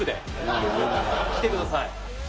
「来てください」。